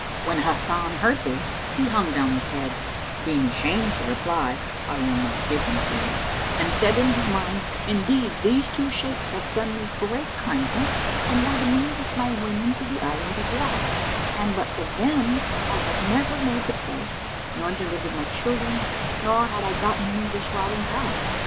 When Hasan heard this, he hung down his head, being ashamed to reply, "I will not give them to you," and said in his mind, "Indeed these two Shaykhs have done me great kindness and were the means of my winning to the Islands of Wak, and but for them I had never made the place, nor delivered my children, nor had I gotten me this rod and cap."